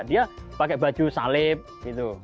dia pakai baju salib gitu